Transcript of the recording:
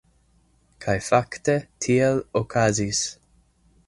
Kaj fakte tiel okazis.